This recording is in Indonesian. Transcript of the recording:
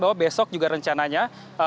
bahwa besok juga rencananya